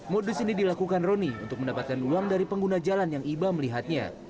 modus ini dilakukan roni untuk mendapatkan uang dari pengguna jalan yang iba melihatnya